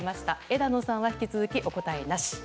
枝野さんは引き続きお答えなし。